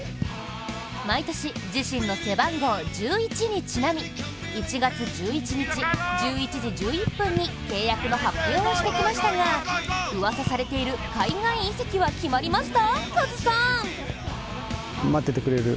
毎年、自身の背番号１１にちなみ１月１１日１１時１１分に契約の発表をしてきましたが、うわさされている海外移籍は決まりました？